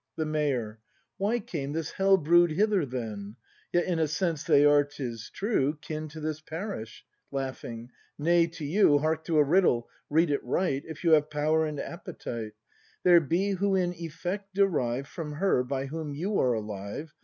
The Mayor. Why came this hell brood hither, then ? Yet in a sense, they are, 'tis true, Kin to this parish, — Nay to you Hark to a riddle: read it right, If you have power and appetite. There be, who in effect derive From her, by whom you are alive.